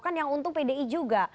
kan yang untung pdi juga